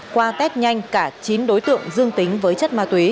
qua test nhanh cả chín đối tượng dương tính với chất ma túy